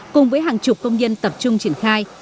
cùng với hàng chục công nhân tập trung triển khai